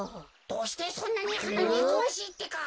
どうしてそんなにはなにくわしいってか？